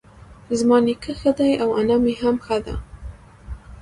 زما نيکه ښه دی اؤ انا مي هم ښۀ دۀ